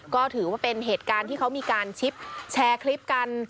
ก็ถือว่าเป็นเหตุการณ์ที่เขามีการแชร์คลิปกัน